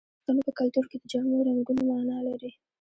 د پښتنو په کلتور کې د جامو رنګونه مانا لري.